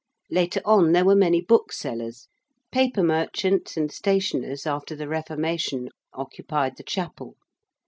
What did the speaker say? Later on there were many booksellers. Paper merchants and stationers, after the Reformation, occupied the chapel.